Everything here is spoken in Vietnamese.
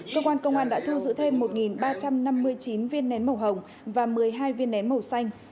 cơ quan công an đã thu giữ thêm một ba trăm năm mươi chín viên nén màu hồng và một mươi hai viên nén màu xanh